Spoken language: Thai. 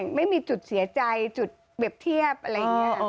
อาจจะไม่มีจุดเสียใจจุดเว็บเทียบอะไรอย่างนี้